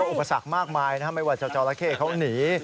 ก็อุปสรรคมากมายนะไม่ว่าจอระเข้เข้านี